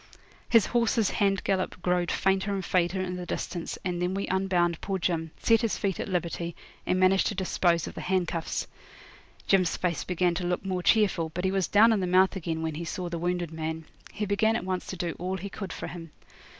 His horse's hand gallop growed fainter and fainter in the distance, and then we unbound poor Jim, set his feet at liberty, and managed to dispose of the handcuffs. Jim's face began to look more cheerful, but he was down in the mouth again when he saw the wounded man. He began at once to do all he could for him.